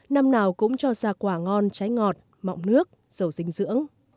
năm nào cũng cho ra quả ngon trái ngọt mọng nước giàu dinh dưỡng